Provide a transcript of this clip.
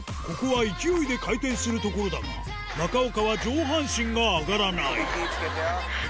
ここは勢いで回転するところだが中岡は上半身が上がらない気ぃ付けてよ。